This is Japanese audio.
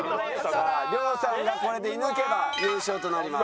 さあ亮さんがこれで射抜けば優勝となります。